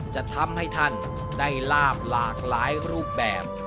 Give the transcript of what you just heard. จะทำให้ท่านได้ลาบหลากหลายรูปแบบ